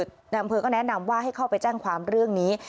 อำเภอก็แนะนำว่าให้เข้าไปแจ้งความเรื่องนี้